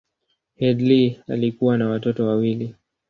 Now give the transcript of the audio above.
Headlee alikuwa na watoto wawili.